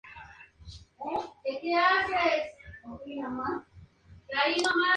Su primera lucha fue en una Academia de Wrestling del Medio Oeste.